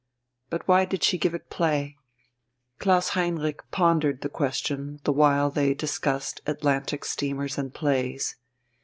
But why did she give it play? Klaus Heinrich pondered the question, the while they discussed Atlantic steamers and plays.